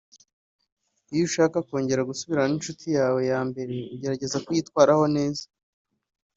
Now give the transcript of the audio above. Iyo ushaka kongera gusubirana n’inshuti yawe yambere ugerageza kuyitwaraho neza